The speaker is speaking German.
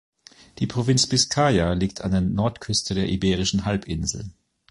Die Provinz Bizkaia liegt an der Nordküste der Iberischen Halbinsel.